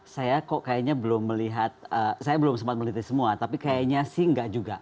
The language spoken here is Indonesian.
saya kok kayaknya belum melihat saya belum sempat melihat semua tapi kayaknya sih enggak juga